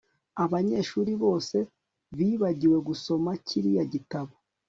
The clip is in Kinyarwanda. Abanyeshuri bose bibagiwe gusoma kiriya gitabo